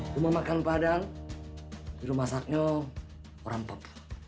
rumah makan padang di rumah masaknya orang pep